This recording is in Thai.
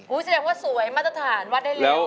อุ้ยจะได้ว่าสวยมาตรฐานวาดได้เร็ว